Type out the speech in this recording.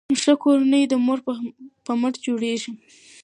ښه کورنۍ د مور په مټ جوړیږي.